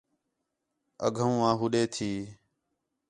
اڳوہاں ہُوݙے تھی